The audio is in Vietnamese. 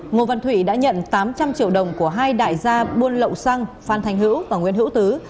ngô văn thủy đã nhận tám trăm linh triệu đồng của hai đại gia buôn lậu xăng phan thành hữu và nguyễn hữu tứ